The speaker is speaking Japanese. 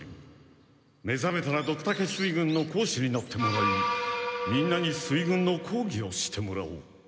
目覚めたらドクタケ水軍の講師になってもらいみんなに水軍の講義をしてもらおう。